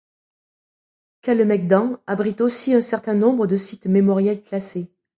Kalemegdan abrite aussi un certain nombre de sites mémoriels classés.